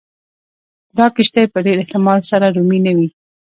دا کښتۍ په ډېر احتمال سره رومي نه وې